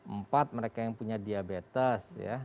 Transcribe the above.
empat mereka yang punya diabetes